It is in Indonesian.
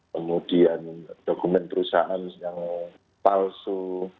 kemudian dokumen perusahaan yang palsu